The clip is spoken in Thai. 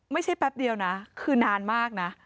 ไม่ใช่แป๊บเดียวนะคือนานมากนะ